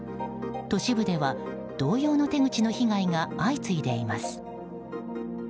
都市部では、同様の手口の被害が相次いでいます。